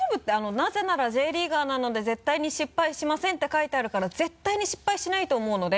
「なぜならＪリーガーなので絶対に失敗しません」って書いてあるから絶対に失敗しないと思うので。